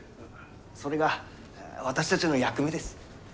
それが私たちの役目です。